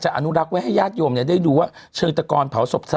จะอนุรักษ์ไว้ให้ญาติโยมเนี่ยได้ดูว่าเชิงตากรเผาศพสมัย